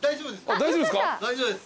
大丈夫です。